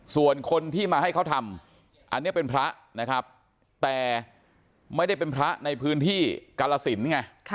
ส่วนคนที่มาให้เขาทำอันนี้เป็นพระนะครับแต่ไม่ได้เป็นพระในพื้นที่กาลสินไง